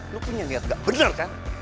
lo punya niat gak bener kan